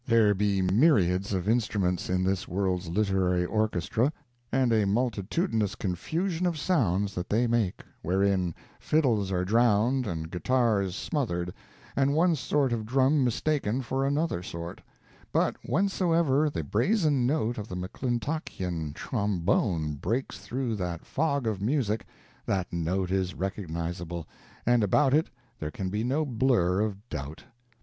There be myriads of instruments in this world's literary orchestra, and a multitudinous confusion of sounds that they make, wherein fiddles are drowned, and guitars smothered, and one sort of drum mistaken for another sort; but whensoever the brazen note of the McClintockian trombone breaks through that fog of music, that note is recognizable, and about it there can be no blur of doubt.